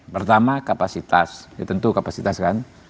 pertama kapasitas ya tentu kapasitas kan